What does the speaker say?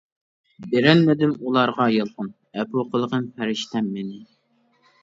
بېرەلمىدىم ئۇلارغا يالقۇن، ئەپۇ قىلغىن، پەرىشتەم مېنى!